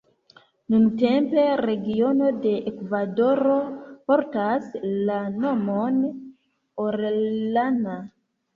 Nuntempe regiono de Ekvadoro portas la nomon Orellana.